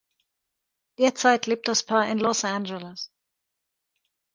Derzeit lebt das Paar in Los Angeles.